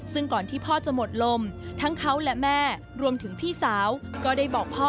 ซึ่งก่อนที่พ่อจะหมดลมทั้งเขาและแม่รวมถึงพี่สาวก็ได้บอกพ่อ